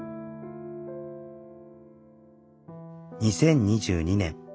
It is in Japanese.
２０２２年。